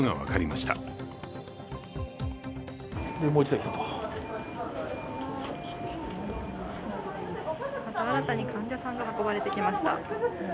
また新たに患者さんが運ばれてきました。